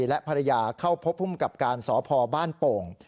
และภรรยาเข้าพบภูมิกับการสพบ้านโป่ง